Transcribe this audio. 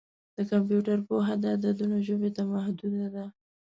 د کمپیوټر پوهه د عددونو ژبې ته محدوده ده.